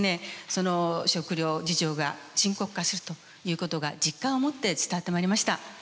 その食料事情が深刻化するということが実感を持って伝わってまいりました。